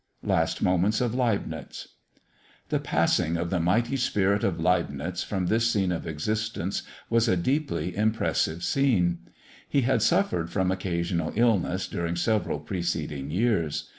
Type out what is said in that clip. LAST MOMENTS OF LEIBNITZ. The passing of the mighty spirit of Leibnitz from this scene of existence was a deeply impressive scene. He had suffered from occasional illness during several preceding years.